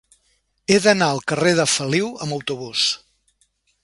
He d'anar al carrer de Feliu amb autobús.